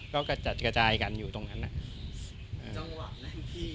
ก็แต่กระจายกันอยู่ตรงนั้นน่ะ